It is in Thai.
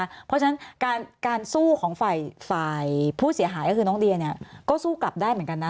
เพราะฉะนั้นการสู้ของฝ่ายผู้เสียหายก็คือน้องเดียเนี่ยก็สู้กลับได้เหมือนกันนะ